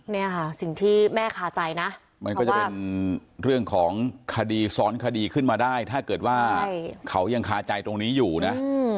เนี่ยค่ะสิ่งที่แม่คาใจนะมันก็จะเป็นเรื่องของคดีซ้อนคดีขึ้นมาได้ถ้าเกิดว่าเขายังคาใจตรงนี้อยู่นะ